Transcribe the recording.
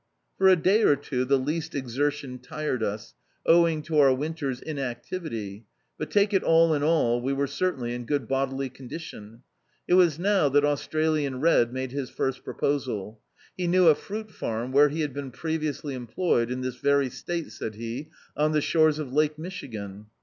For a day or two the least exertion tired us, owing to our winter's inactivity, but take it all in all, we were certainly in good bodily condition. It was now that Australian Red made his first proposal. He knew a fruit farm, where he had been previously employed, "in this very State," said he, "on the shores of Lake Michigan."